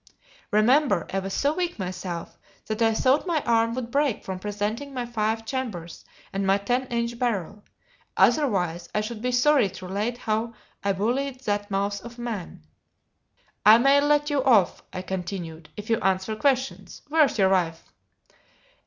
(Remember, I was so weak myself that I thought my arm would break from presenting my five chambers and my ten inch barrel; otherwise I should be sorry to relate how I bullied that mouse of a man.) "I may let you off," I continued, "if you answer questions. Where's your wife?"